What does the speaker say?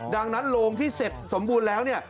ดังนั้นโรงที่เสร็จสมบูรณ์แล้วเนี่ย